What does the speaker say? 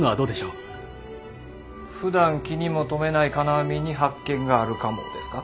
ふだん気にも留めない金網に発見があるかもですか？